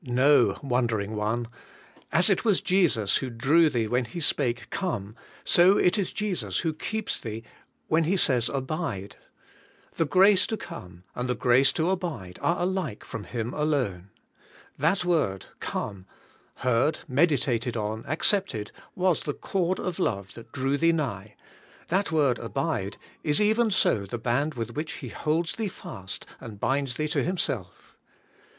No, wandering one ; as it was Jesus who drew thee when 30 ABIDE IN CHRIST: He spake 'Comey^ so it is Jesus who keeps thee when He says ' Abide, '^ The grace to come and the grace to abide are alike from Him alone. That word, Come, heard, meditated on, accepted, was the cord of love that drew thee nigh ; that word Abide is even so the band with which He holds thee fast and binds thee to Himself.